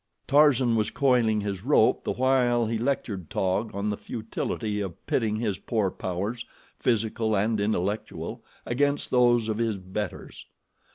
Tarzan was coiling his rope the while he lectured Taug on the futility of pitting his poor powers, physical and intellectual, against those of his betters.